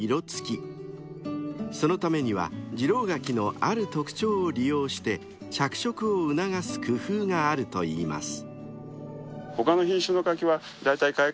［そのためには次郎柿のある特徴を利用して着色を促す工夫があるといいます］